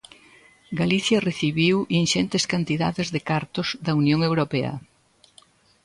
Galicia recibiu inxentes cantidades de cartos da Unión Europea.